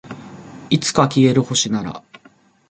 いつか消える星なら